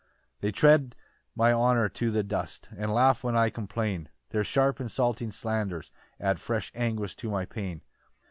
5 "They tread my honour to the dust, "And laugh when I complain "Their sharp insulting slanders add "Fresh anguish to my pain.